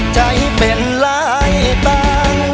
ใจเป็นรายต่างให้นางนั้นพิมอายสา